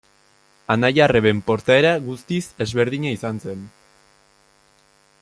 Anai-arreben portaera guztiz ezberdina izan zen.